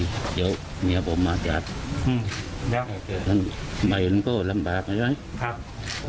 เดี๋ยวเมียผมมาจัดอืมแล้วใหม่มันก็ลำแบบใช่ไหมครับ